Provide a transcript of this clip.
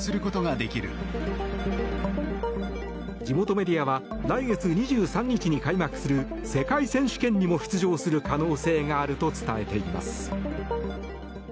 地元メディアは来月２３日に開幕する世界選手権にも出場する可能性があると伝えています。